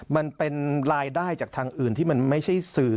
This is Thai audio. มันเป็นรายได้จากทางอื่นที่มันไม่ใช่สื่อ